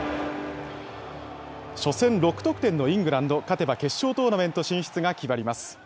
初戦６得点のイングランド、勝てば決勝トーナメント進出が決まります。